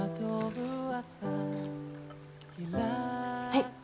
はい。